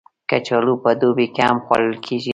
کچالو په دوبی کې هم خوړل کېږي